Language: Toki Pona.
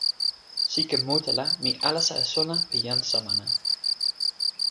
sike mute la mi alasa e sona pi jan Samana.